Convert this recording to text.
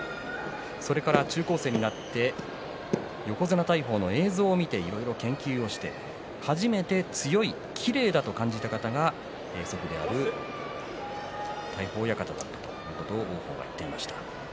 それから中高生になって横綱大鵬の映像を見ていろいろ研究して初めて強いきれいだと感じた方が祖父である大鵬親方だったということを言っていました。